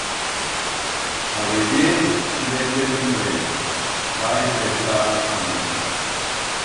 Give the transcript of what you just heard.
A veyer si l'he entendiu ben, va encertar a dir.